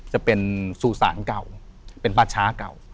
จะเป็นสู่สารเก่าเป็นป่าช้าเก่า